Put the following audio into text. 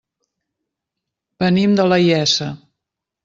Venim de la Iessa.